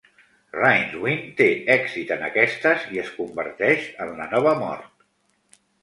Rincewind té èxit en aquestes i es converteix en la nova mort.